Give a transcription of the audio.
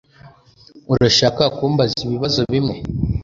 Urashaka kumbaza ibibazo bimwe